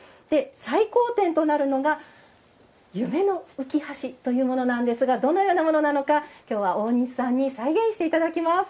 最高点となるのが夢浮橋というものなんですがどのようなものなのかきょうは大西さんに再現していただきます。